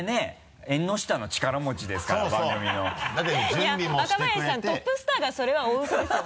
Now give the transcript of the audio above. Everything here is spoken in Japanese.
いや若林さんトップスターがそれは大ウソですよ。